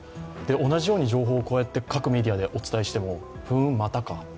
同じように情報を各メディアでお伝えしてもふうん、またか。